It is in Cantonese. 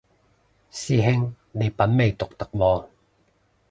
師兄你品味獨特喎